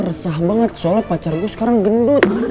gue resah banget soalnya pacar gue sekarang gendut